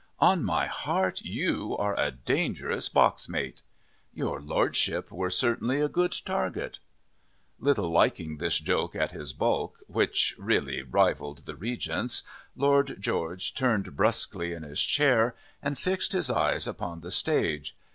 "On my heart, you are a dangerous box mate." "Your Lordship were certainly a good target." Little liking this joke at his bulk, which really rivalled the Regent's, Lord George turned brusquely in his chair and fixed his eyes upon the stage.